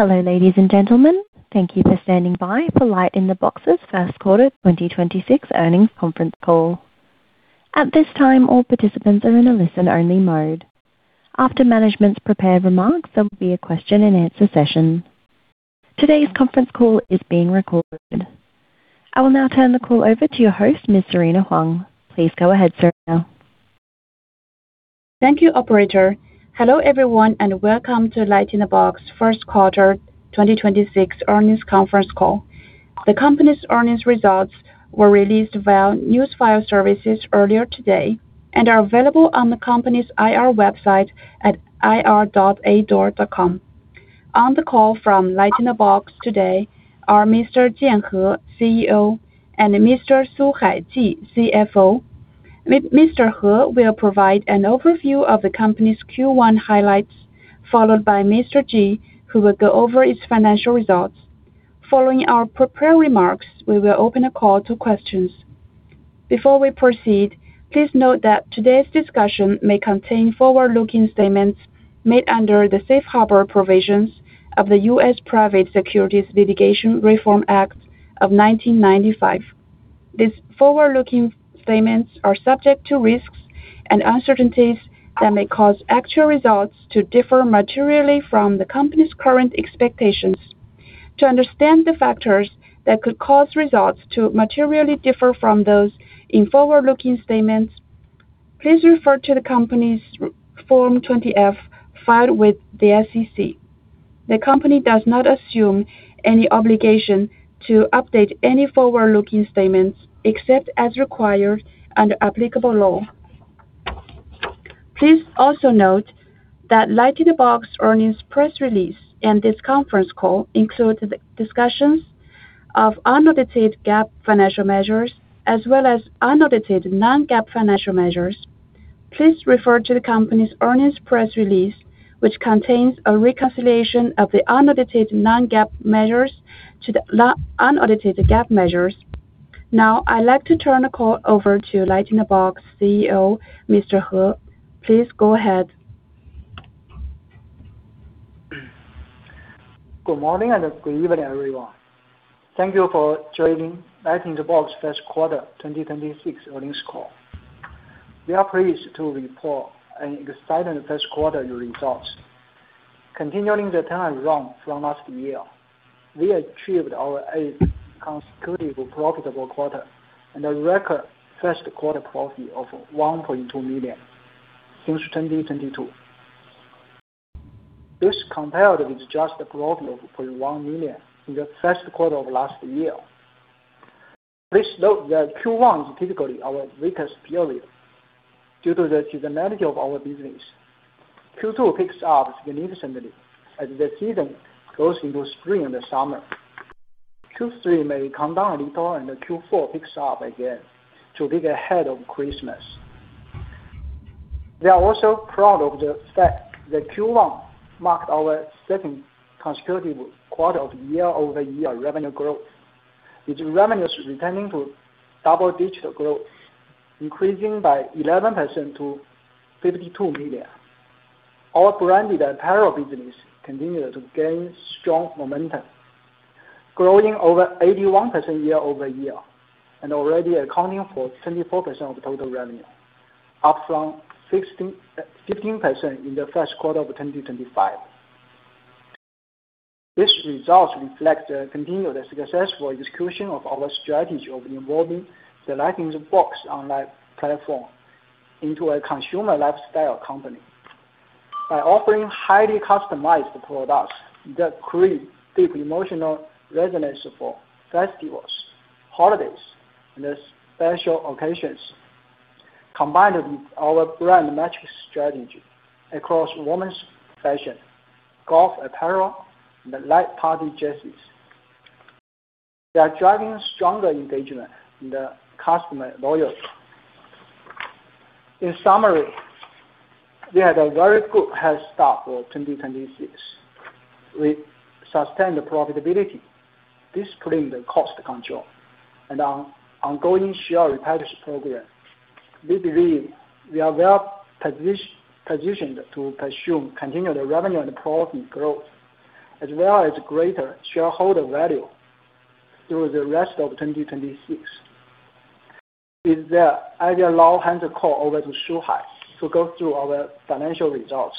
Hello, ladies and gentlemen. Thank you for standing by for LightInTheBox's first quarter 2026 earnings conference call. At this time, all participants are in a listen-only mode. After management's prepared remarks, there will be a question-and-answer session. Today's conference call is being recorded. I will now turn the call over to your host, Ms. Serena Huang. Please go ahead, Serena. Thank you, operator. Hello, everyone, and Welcome to LightInTheBox First Quarter 2026 Earnings Conference Call. The company's earnings results were released via news file services earlier today and are available on the company's IR website at ir.ador.com. On the call from LightInTheBox today are Mr. Jian He, CEO, and Mr. Suhai Ji, CFO. Mr. He will provide an overview of the company's Q1 highlights, followed by Mr. Ji, who will go over its financial results. Following our prepared remarks, we will open a call to questions. Before we proceed, please note that today's discussion may contain forward-looking statements made under the Safe Harbor Provisions of the U.S. Private Securities Litigation Reform Act of 1995. These forward-looking statements are subject to risks and uncertainties that may cause actual results to differ materially from the company's current expectations. To understand the factors that could cause results to materially differ from those in forward-looking statements, please refer to the company's Form 20-F filed with the SEC. The company does not assume any obligation to update any forward-looking statements except as required under applicable law. Please also note that LightInTheBox earnings press release and this conference call include discussions of unaudited GAAP financial measures as well as unaudited non-GAAP financial measures. Please refer to the company's earnings press release, which contains a reconciliation of the unaudited non-GAAP measures to the unaudited GAAP measures. Now, I'd like to turn the call over to LightInTheBox CEO, Mr. He. Please go ahead. Good morning and good evening, everyone. Thank you for joining LightInTheBox first quarter 2026 earnings call. We are pleased to report an exciting first quarter results. Continuing the turnaround from last year, we achieved our eighth consecutive profitable quarter and a record first quarter profit of $1.2 million since 2022. This compared with just the profit of $0.1 million in the first quarter of last year. Please note that Q1 is typically our weakest period due to the seasonality of our business. Q2 picks up significantly as the season goes into spring and the summer. Q3 may come down a little and the Q4 picks up again to get ahead of Christmas. We are also proud of the fact that Q1 marked our second consecutive quarter of year-over-year revenue growth, with revenues returning to double-digit growth, increasing by 11% to $52 million. Our branded apparel business continued to gain strong momentum, growing over 81% year-over-year and already accounting for 24% of total revenue, up from 15% in the first quarter of 2025. This result reflects the continued successful execution of our strategy of evolving the LightInTheBox online platform into a consumer lifestyle company. By offering highly customized products that create deep emotional resonance for festivals, holidays, and special occasions, combined with our brand matrix strategy across women's fashion, golf apparel, and light party jerseys. We are driving stronger engagement in the customer loyalty. In summary, we had a very good head start for 2026. We sustained profitability. This claimed cost control and our ongoing share repurchase program. We believe we are well positioned to pursue continued revenue and profit growth as well as greater shareholder value through the rest of 2026. With that, I will now hand the call over to Suhai to go through our financial results.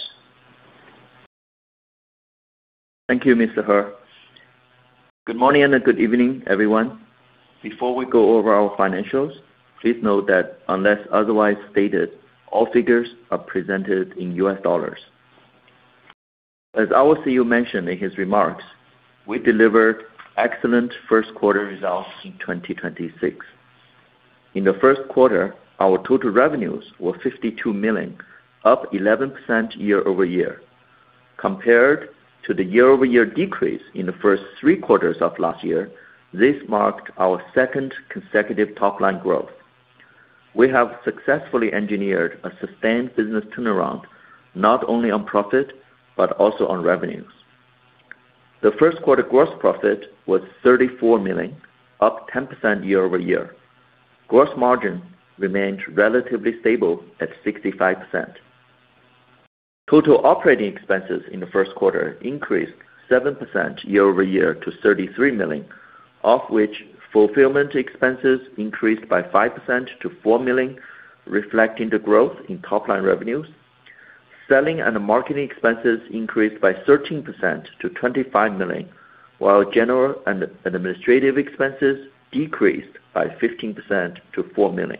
Thank you, Mr. He. Good morning and good evening, everyone. Before we go over our financials, please note that unless otherwise stated, all figures are presented in US dollars. As our CEO mentioned in his remarks, we delivered excellent first quarter results in 2026. In the first quarter, our total revenues were $52 million, up 11% year-over-year. Compared to the year-over-year decrease in the first 3 quarters of last year, this marked our second consecutive top-line growth. We have successfully engineered a sustained business turnaround, not only on profit, but also on revenues. The first quarter gross profit was $34 million, up 10% year-over-year. Gross margin remained relatively stable at 65%. Total operating expenses in the first quarter increased 7% year-over-year to $33 million, of which fulfillment expenses increased by 5% to $4 million, reflecting the growth in top-line revenues Selling and marketing expenses increased by 13% to $25 million, while general and administrative expenses decreased by 15% to $4 million.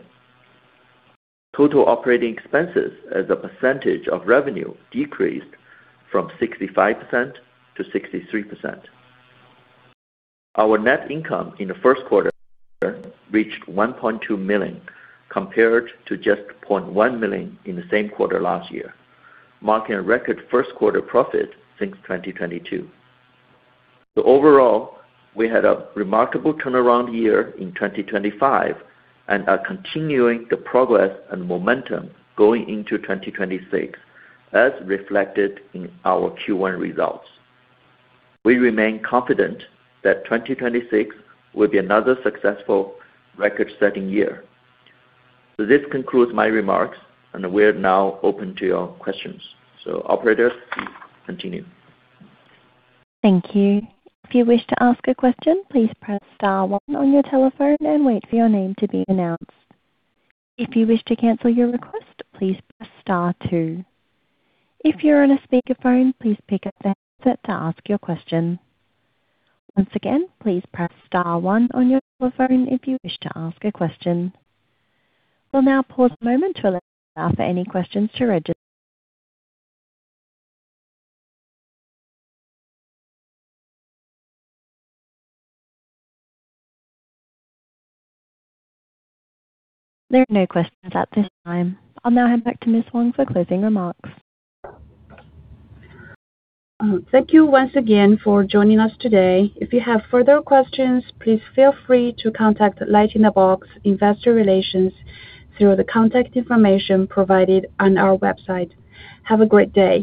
Total operating expenses as a percentage of revenue decreased from 65% to 63%. Our net income in the first quarter reached $1.2 million, compared to just $0.1 million in the same quarter last year, marking a record first quarter profit since 2022. Overall, we had a remarkable turnaround year in 2025 and are continuing the progress and momentum going into 2026, as reflected in our Q1 results. We remain confident that 2026 will be another successful record-setting year. This concludes my remarks, and we're now open to your questions. Operator, please continue. Thank you. If you wish to ask a question, please press star one on your telephone and wait for your name to be announced. If you wish to cancel your request, please press star two. If you're on a speakerphone, please pick up the headset to ask your question. Once again, please press star one on your telephone if you wish to ask a question. We'll now pause a moment to allow for any questions to register. There are no questions at this time. I'll now head back to [Ms.] Huang for closing remarks. Thank you once again for joining us today. If you have further questions, please feel free to contact LightInTheBox investor relations through the contact information provided on our website. Have a great day.